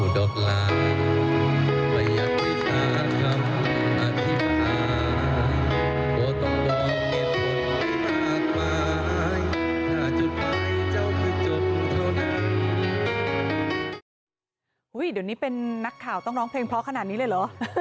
เดี๋ยวนี้เป็นนักข่าวต้องร้องเพลงเพราะขนาดนี้เลยเหรอ